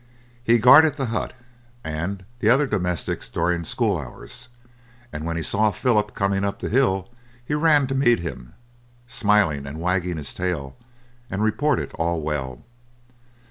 He guarded the hut and the other domestics during school hours, and when he saw Philip coming up the hill, he ran to meet him, smiling and wagging his tail, and reported all well.